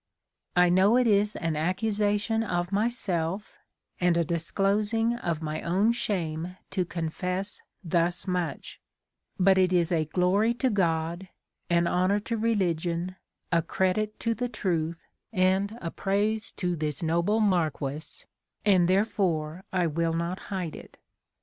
I knoAv it is an accu sation of myself, and a disclosing of my own shame to con fesse thus much ; but it is a glory to Grod, an honour to re ligion, a credit to the truth, and a praise to this noble Mar quesse, and therefore I will not hide it.